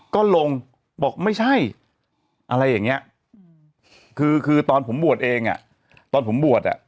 ก็ลงบอกไม่ใช่อะไรอย่างเงี้ยคือคือตอนผมบวชเองอ่ะตอนผมบวชอ่ะ